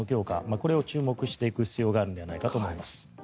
これを注目していく必要があるんじゃないかと思います。